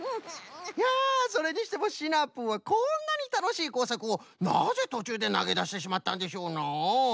いやそれにしてもシナプーはこんなにたのしいこうさくをなぜとちゅうでなげだしてしまったんでしょうな？